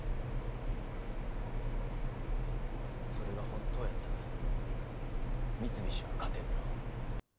それが本当やったら三菱は勝てるろう。